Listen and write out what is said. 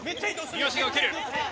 三好が受ける。